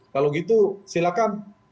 kalau gitu silakan